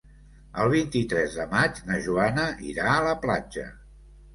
El vint-i-tres de maig na Joana irà a la platja.